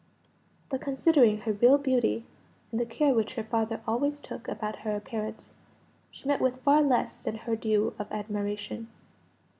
But considering her real beauty, and the care which her father always took about her appearance, she met with far less than her due of admiration.